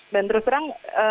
dan terus terang